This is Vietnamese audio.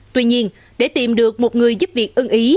tuy nhiên để tìm được một người giúp việc ưng ý